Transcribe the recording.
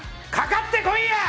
かかってこいやー！